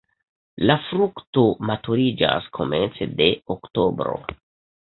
La frukto maturiĝas komence de oktobro.